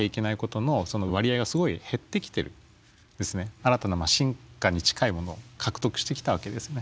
新たな進化に近いものを獲得してきたわけですね。